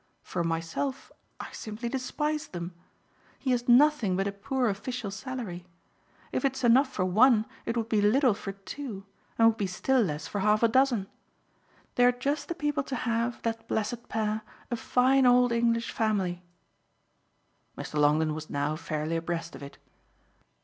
For myself I simply despise them. He has nothing but a poor official salary. If it's enough for one it would be little for two, and would be still less for half a dozen. They're just the people to have, that blessed pair, a fine old English family." Mr. Longdon was now fairly abreast of it.